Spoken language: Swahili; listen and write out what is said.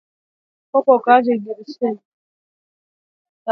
kaanga kwa mafuta viazi lishe vyako pembeni